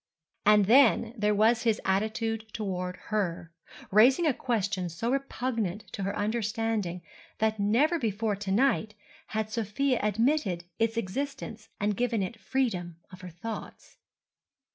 And then there was his attitude toward her, raising a question so repugnant to her understanding that never before to night had Sofia admitted its existence and given it the freedom of her thoughts.